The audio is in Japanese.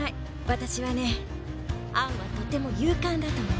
私はねアンはとても勇敢だと思う。